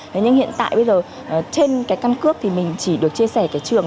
thế nhưng hiện tại bây giờ trên cái căn cước thì mình chỉ được chia sẻ cái trường